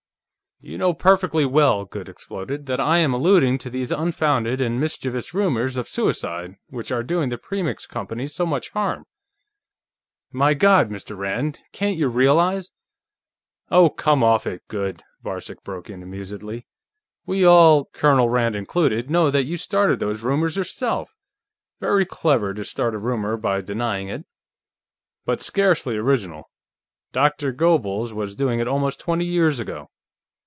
"You know perfectly well," Goode exploded, "that I am alluding to these unfounded and mischievous rumors of suicide, which are doing the Premix Company so much harm. My God, Mr. Rand, can't you realize " "Oh, come off it, Goode," Varcek broke in amusedly. "We all Colonel Rand included know that you started those rumors yourself. Very clever to start a rumor by denying it. But scarcely original. Doctor Goebbels was doing it almost twenty years ago."